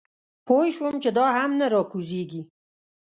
پوی شوم چې دا هم نه راکوزېږي.